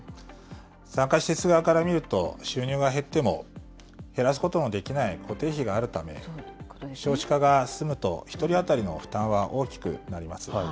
産科施設側から見ると、収入が減っても、減らすことのできない固定費があるため、少子化が進むと、１人当たりの負担は大きくなります。